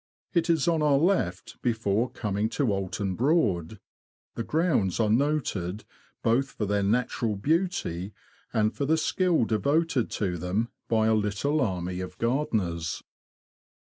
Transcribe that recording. It is on our left before coming to Oulton Broad. The grounds are noted both for their natural beauty and for the skill devoted to them by a little army of gardeners.